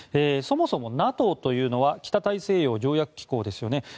そもそもＮＡＴＯとは北大西洋条約機構ですよね。